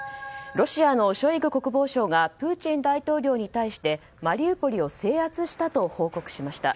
ロシアのショイグ国防相がプーチン大統領に対してマリウポリを制圧したと報告しました。